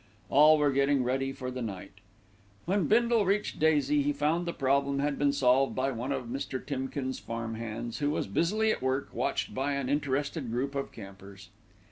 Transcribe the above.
All were getting ready for the night. When Bindle reached Daisy, he found the problem had been solved by one of Mr. Timkins' farm hands, who was busily at work, watched by an interested group of campers.